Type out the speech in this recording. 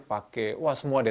pakai wah semua deh